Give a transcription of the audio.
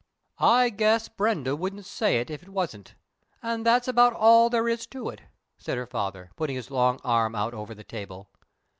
"I guess Brenda wouldn't say it if it wasn't, and that's about all there is to it," said her father, putting his long arm out over the table.